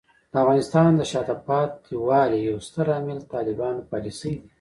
د افغانستان د شاته پاتې والي یو ستر عامل طالبانو پالیسۍ دي.